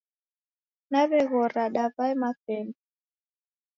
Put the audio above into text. Daw'eghora daw'ae mapemba.